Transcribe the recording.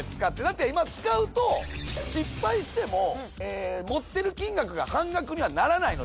今使うと失敗しても持ってる金額が半額にはならないので。